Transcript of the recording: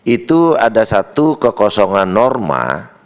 itu ada satu kekosongan norma